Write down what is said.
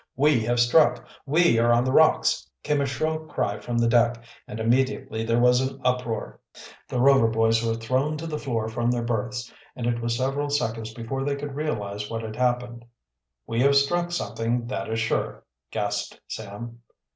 "We have struck! We are on the rocks!" came a shrill cry from the deck, and immediately there was an uproar. The Rover boys were thrown to the floor from their berths, and it was several seconds before they could realize what had happened. "We have struck something, that is sure!" gasped Sam.